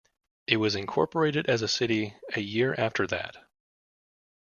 It was incorporated as a city a year after that.